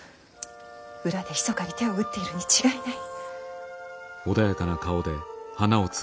裏でひそかに手を打っているに違いない。